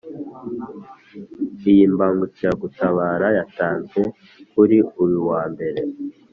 Iyi mbangukiragutabara yatanzwe kuri uyu wa Mbere